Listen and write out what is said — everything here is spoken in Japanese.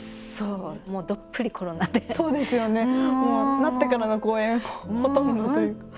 なってからの公演ほとんどというか。